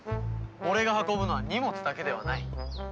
俺が運ぶのは荷物だけではない。